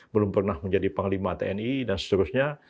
belum pernah menjadi panglima tni dan seterusnya